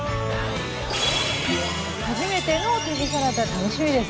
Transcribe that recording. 初めての旅サラダ楽しみです。